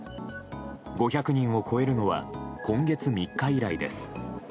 ５００人を超えるのは今月３日以来です。